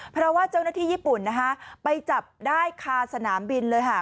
เพราะว่าเจ้าหน้าที่ญี่ปุ่นนะคะไปจับได้คาสนามบินเลยค่ะ